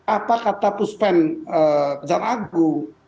apa kata puspen kejar agung